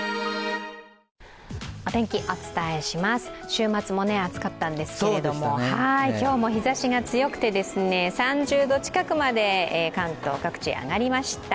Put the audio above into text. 週末も暑かったんですけれど、今日も日ざしが強くて３０度近くまで関東各地、上がりました。